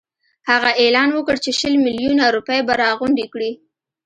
هغه اعلان وکړ چې شل میلیونه روپۍ به راغونډي کړي.